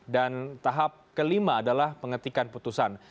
dan tahap kelima adalah pengetikan putusan